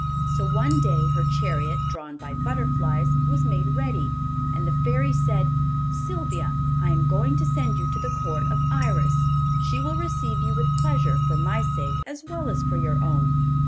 So one day her chariot, drawn by butterflies, was made ready, and the Fairy said: 'Sylvia, I am going to send you to the court of Iris; she will receive you with pleasure for my sake as well as for your own.